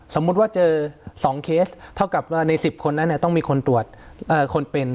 สมมุติว่าเจอ๒เคสเท่ากับว่าใน๑๐คนนั้นต้องมีคนตรวจคนเป็น